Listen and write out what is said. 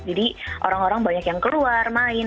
jadi orang orang banyak yang keluar main